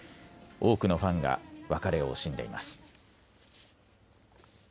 多くのファンが別れを惜しんでいます。